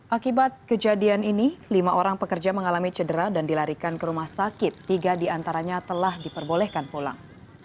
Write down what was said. akibat kejadian ini lima orang pekerja mengalami cedera dan dilarikan ke rumah sakit tiga diantaranya telah diperbolehkan pulang